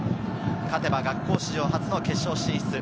勝てば学校史上初の決勝進出。